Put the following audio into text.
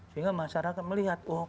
sehingga masyarakat melihat